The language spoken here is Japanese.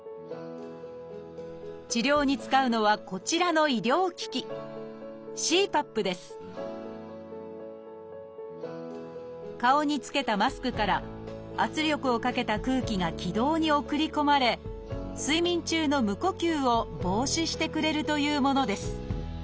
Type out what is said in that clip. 治療に使うのはこちらの医療機器顔に着けたマスクから圧力をかけた空気が気道に送り込まれ睡眠中の無呼吸を防止してくれるというものです。